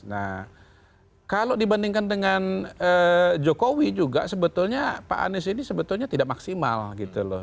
nah kalau dibandingkan dengan jokowi juga sebetulnya pak anies ini sebetulnya tidak maksimal gitu loh